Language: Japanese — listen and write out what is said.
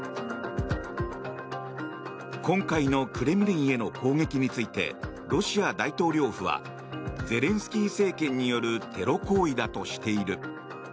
今回のクレムリンへの攻撃についてロシア大統領府はゼレンスキー政権によるテロ行為だとしている。